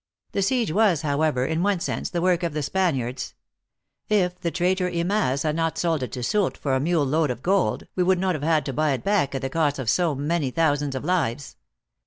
The siege was, however, in one sense, the work of the Spaniards. If the traitor Imaz had not sold it to Soult for a mule load of gold, we would not have had to buy it back at the cost of so many thousands of lives.